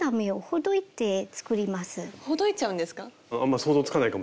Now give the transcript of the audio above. ほどいちゃうんですか？